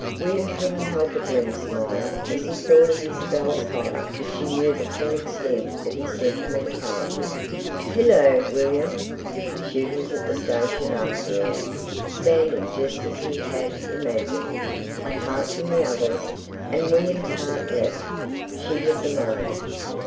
William couldn't help a grim smile as he thought of Isabel's horror if she knew the full extent of his sentimentality. "Hillo, William!" She was at the station after all, standing just as he had imagined, apart from the others, and—William's heart leapt—she was alone.